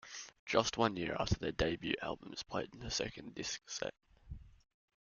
Just one year after their debut album is played the second disc set.